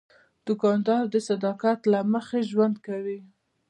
دوکاندار د صداقت له مخې ژوند کوي.